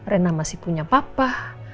rena masih punya papa